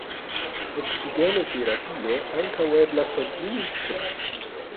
Oksigenoterapio ankaŭ eblas administri.